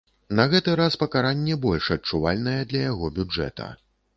На гэты раз пакаранне больш адчувальнае для яго бюджэта.